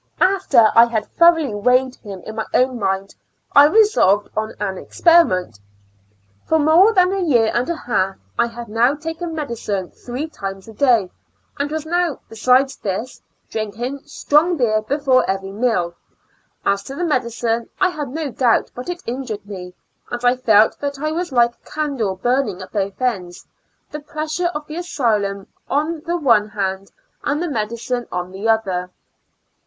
After I had thoroughly weighed him in my own mind, I resolved on an experiment. For more than a year and a half I had now taken medicine three times a day, and was now, besides this,, drinking strong beer before every meal, as to the medicine I had no doubt but it injured me, and I felt that I was like a candle burning at both ends, the pressure of the asylum on the one hand and the medicine on the other.